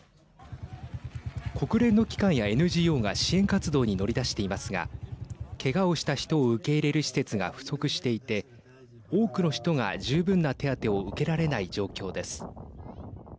国連の機関やＮＧＯが支援活動に乗り出していますがけがをした人を受け入れる施設が不足していて多くの人が十分な手当てを受けられない状況です。